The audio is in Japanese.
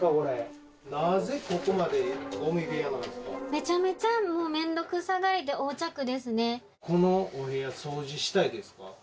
めちゃめちゃ面倒臭がりで横着ですね。